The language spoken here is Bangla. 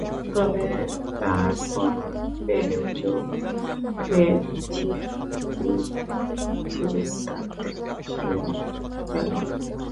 তবে তার পরও পেলের চোখে জিজিনহো ছিলেন তাঁর দেখা সেরা খেলোয়াড়।